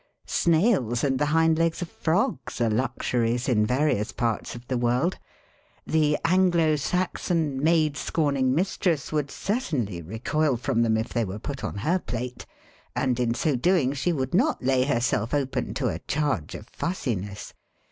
Snails and the hind legs of frogs are luxuries in various parts of the world; the Anglo Saxon maid scorning mistress would certainly recoil from them if they were put on her plate, and in so doing she would not lay herself open to a charge of fussiness.